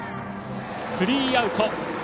スリーアウト。